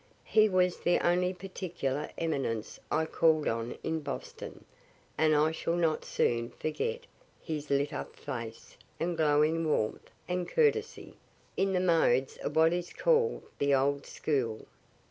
He was the only particular eminence I called on in Boston, and I shall not soon forget his lit up face and glowing warmth and courtesy, in the modes of what is called the old school.